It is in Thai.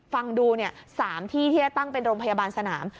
ฟังดู๓ที่ที่จะตั้งเป็นโรงพยาบาลสนาม